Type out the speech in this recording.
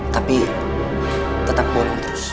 tapi tetap bolong terus